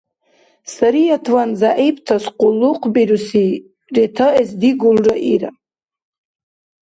— Сариятван зягӀиптас къуллукъбируси ретаэс дигулра, — ира.